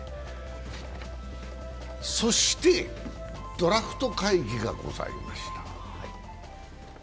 そしてドラフト会議がございました。